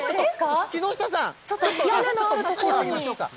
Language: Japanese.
木下さん、ちょっと中に入りましょうか。